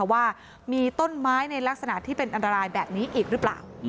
ว่ามีต้นไม้ในลักษณะที่เป็นอันตรายแบบนี้อีกหรือเปล่า